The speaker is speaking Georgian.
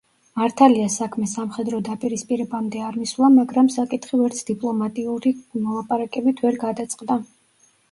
მართალია, საქმე სამხედრო დაპირისპირებამდე არ მისულა, მაგრამ საკითხი ვერც დიპლომატიური მოლაპარაკებით ვერ გადაწყდა.